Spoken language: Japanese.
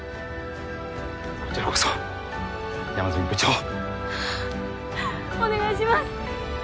こちらこそ山住部長お願いします